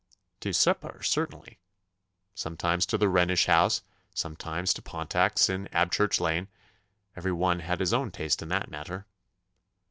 'To supper, certainly. Sometimes to the Rhenish House, sometimes to Pontack's in Abchurch Lane. Every one had his own taste in that matter.